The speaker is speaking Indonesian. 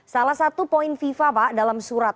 salah satu poin fifa pak dalam surat